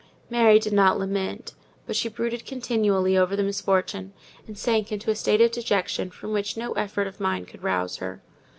Mary did not lament, but she brooded continually over the misfortune, and sank into a state of dejection from which no effort of mine could rouse her.